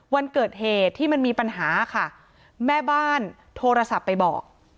วันเกิดเหตุที่มันมีปัญหาค่ะแม่บ้านโทรศัพท์ไปบอก